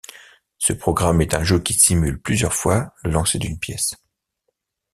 Ce programme est un jeu qui simule plusieurs fois le lancer d'une pièce.